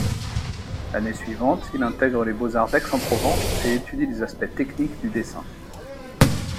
L'année suivante, il intègre les beaux-arts d'Aix-en-Provence et étudie les aspects techniques du dessin.